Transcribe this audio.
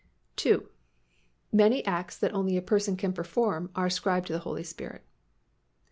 II. _Many acts that only a Person can perform are ascribed to the Holy Spirit.